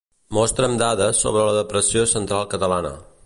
Mostra'm dades sobre la Depressió Central Catalana.